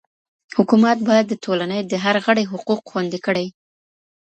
حکومت باید د ټولني د هر غړي حقوق خوندي کړي.